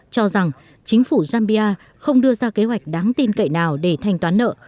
cho rằng chính phủ zambia không đưa ra kế hoạch đáng tin cậy nào để thanh toán nợ